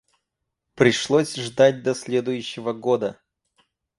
Пришлось ждать до следующего года.